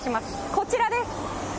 こちらです。